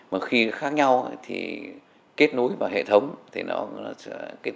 mà khi khác nhau thì kết nối vào hệ thống thì tương thích nó chưa sẵn sàng